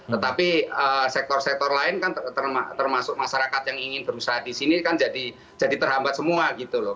tetapi sektor sektor lain kan termasuk masyarakat yang ingin berusaha di sini kan jadi terhambat semua gitu loh